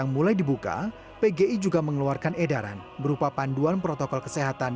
mulai dibuka pgi juga mengeluarkan edaran berupa panduan protokol kesehatan